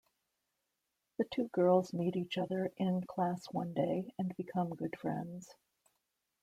The two girls meet each other in class one day and become good friends.